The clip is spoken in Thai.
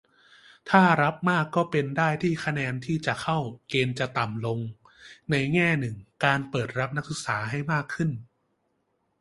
ถ้ารับมากก็เป็นได้ที่คะแนนที่จะเข้าเกณฑ์จะต่ำลง - ในแง่หนึ่ง การเปิดรับนักศึกษาให้มากขึ้น